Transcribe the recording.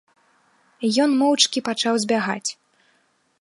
Ён моўчкі пачаў збягаць.